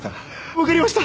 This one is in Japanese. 分かりました。